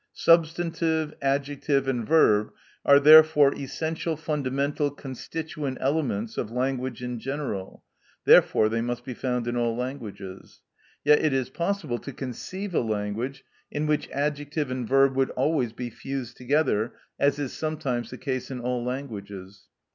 Substantive, adjective, and verb are therefore essential fundamental constituent elements of language in general; therefore they must be found in all languages. Yet it is possible to conceive a language in which adjective and verb would always be fused together, as is sometimes the case in all languages.